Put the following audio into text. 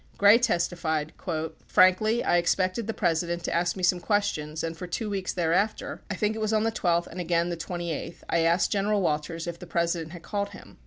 Gray testified : Frankly, I expected the President to ask me some questions and for two weeks thereafter, I think it was on the 12th and again, the 28th, I asked General Walters if the President had called him.